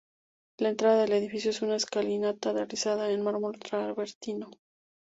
La entrada del edificio es una escalinata realizada en mármol travertino.